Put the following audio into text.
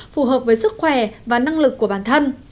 phù hợp với sức khỏe và năng lực của bản thân